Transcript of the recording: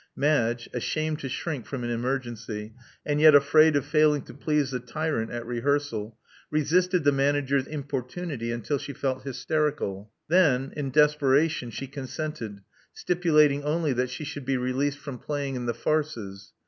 Madge, ashamed to shrink from an emergency, and yet afraid of failing to please the tyrant at rehearsal, resisted the manager's importu nity until she felt hysterical. Then, in desperation, she consented, stipulating only that she should be released from playing in the farces.